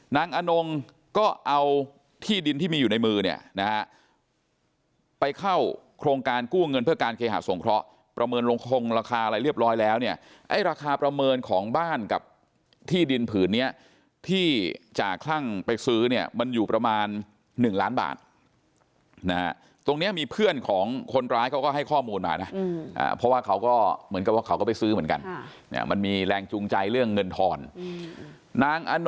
อนงก็เอาที่ดินที่มีอยู่ในมือเนี่ยนะฮะไปเข้าโครงการกู้เงินเพื่อการเคหาสงเคราะห์ประเมินลงคงราคาอะไรเรียบร้อยแล้วเนี่ยไอ้ราคาประเมินของบ้านกับที่ดินผืนเนี้ยที่จ่าคลั่งไปซื้อเนี่ยมันอยู่ประมาณ๑ล้านบาทนะฮะตรงนี้มีเพื่อนของคนร้ายเขาก็ให้ข้อมูลมานะเพราะว่าเขาก็เหมือนกับว่าเขาก็ไปซื้อเหมือนกันมันมีแรงจูงใจเรื่องเงินทอนนางอัน